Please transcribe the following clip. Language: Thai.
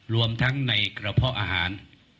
รวมทั้งในกระเพาะอาหาร